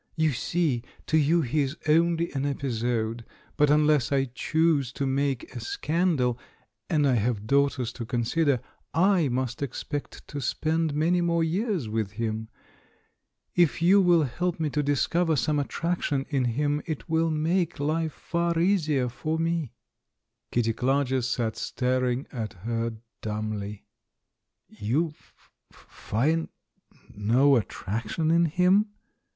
"You see, to you he is only an epi sode; but unless I choose to make a scandal — and I have daughters to consider — I must expect to spend many more years with him. If you will help me to discover some attraction in him, it will make hfe far easier for me." Kitty Clarges sat staring at her dumbly. "You f find no attraction in him?"